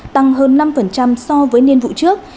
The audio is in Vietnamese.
tăng hơn năm so với niên vụ trước